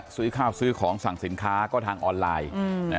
ซื้อข้าวซื้อของสั่งสินค้าก็ทางออนไลน์